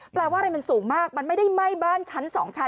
แปลว่าอะไรมันสูงมากมันไม่ได้ไหม้บ้านชั้น๒ชั้น